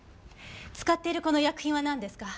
使っているこの薬品はなんですか？